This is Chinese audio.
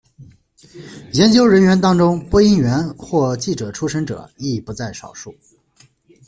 研究人员当中播音员或记者出身者亦不在少数。